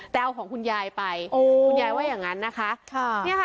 แต่เอาของคุณยายไปคุณยายว่าอย่างนั้นนะคะ